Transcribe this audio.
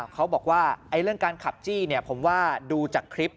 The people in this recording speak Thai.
เขาบอกว่าเรื่องการขับจี้ผมว่าดูจากคลิป